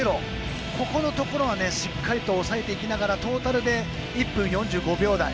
ここのところをしっかりと抑えていきながらトータルで１分４５秒台